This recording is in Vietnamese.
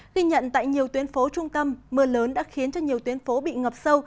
ghi nhận tại nhiều tuyến phố trung tâm mưa lớn đã khiến cho nhiều tuyến phố bị ngập sâu